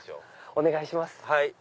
お願いします。